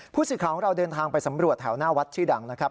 ผู้สื่อข่าวของเราเดินทางไปสำรวจแถวหน้าวัดชื่อดังนะครับ